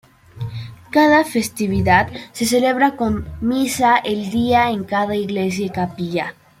Cada festividad se celebra con misa el día en cada iglesia y capilla.